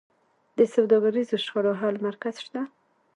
د سوداګریزو شخړو حل مرکز شته؟